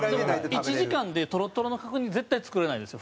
１時間でトロトロの角煮絶対作れないですよ